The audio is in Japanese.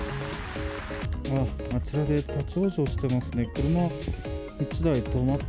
あちらで立往生してますね。